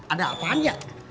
ada apa aja